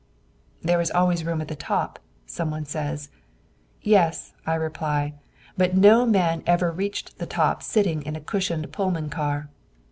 "There's always room at the top," someone says. "Yes," I reply, "but no man ever reached the top sitting in a cushioned Pullman car."